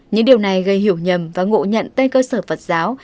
những điều này gây hiểu nhầm và ngộ nhận tại cơ sở phật giáo